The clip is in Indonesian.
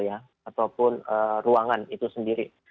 ataupun ruangan itu sendiri